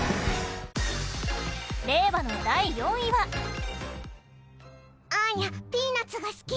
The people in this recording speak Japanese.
令和の第４位はアーニャ、ピーナツが好き！